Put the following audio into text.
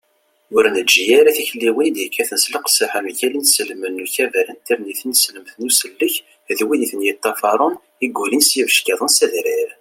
ur neǧǧi ara tikliwin i d-yekkaten s leqseḥ mgal inselmen n ukabar n tirni tineslemt n usellek d wid i ten-yeṭṭafaṛen i yulin s yibeckiḍen s adrar